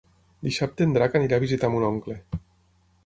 Dissabte en Drac anirà a visitar mon oncle.